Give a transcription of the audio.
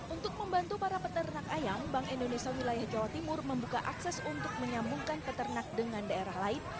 untuk membantu para peternak ayam bank indonesia wilayah jawa timur membuka akses untuk menyambungkan peternak dengan daerah lain